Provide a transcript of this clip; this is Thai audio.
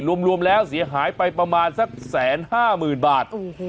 รวมรวมแล้วเสียหายไปประมาณสักแสนห้าหมื่นบาทอูหู